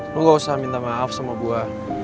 lu nggak usah minta maaf sama gua